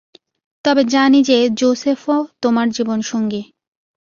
তবে জানি যে, জোসেফও তোমার জীবনসঙ্গী।